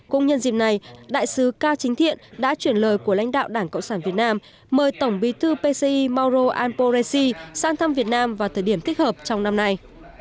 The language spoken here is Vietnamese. cũng nhân dịp này đại sứ cao chính thiện đã chuyển lời của lãnh đạo đảng cộng sản việt nam mời tổng bí thư pci mauro anporesi sang thăm việt nam vào thời điểm thích hợp trong năm nay